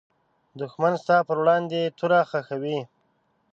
دښمن ستا پر وړاندې توره خښوي